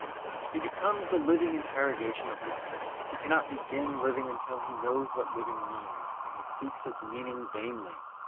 He becomes the living interrogation of life. He cannot begin living until he knows what living means, and he seeks its meaning vainly.